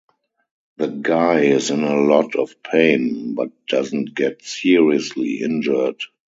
The guy is in a lot of pain but doesn’t get seriously injured.